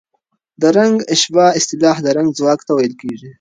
د رنګ اشباع اصطلاح د رنګ ځواک ته ویل کېږي.